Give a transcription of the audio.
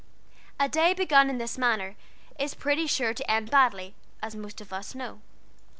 A day begun in this manner is pretty sure to end badly, as most of us know.